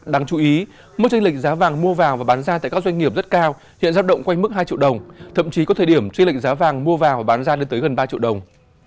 đáng chú ý mức tranh lệnh giá vàng mua vào và bán ra tại các doanh nghiệp rất cao hiện giáp động quanh mức hai triệu đồng thậm chí có thời điểm tranh lệnh giá vàng mua vào và bán ra đến gần ba triệu đồng